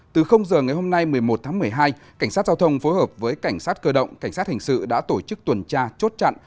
từ giờ ngày hôm nay một mươi một tháng một mươi hai cảnh sát giao thông phối hợp với cảnh sát cơ động cảnh sát hình sự đã tổ chức tuần tra chốt chặn